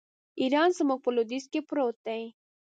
ایران زموږ په لوېدیځ کې پروت دی.